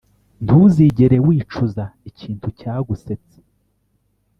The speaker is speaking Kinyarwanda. ntuzigere wicuza ikintu cyagusetse.